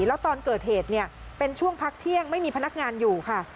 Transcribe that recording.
แล้วตอนเกิดเหตุเนี่ยเป็นช่วงพักเที่ยงไม่มีพนักงานอยู่ค่ะ